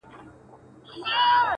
مور مي خپه ده ها ده ژاړي راته.